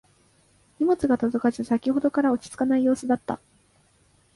荷物が届かず先ほどから落ち着かない様子だった